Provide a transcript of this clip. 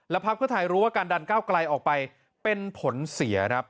แล้วพักก็ถ่ายรู้ว่าการดันก้าวไกลออกไปเป็นผลเสีย